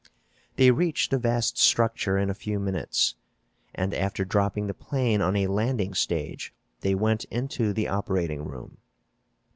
They reached the vast structure in a few minutes, and, after dropping the plane on a landing stage, they went into the operating room.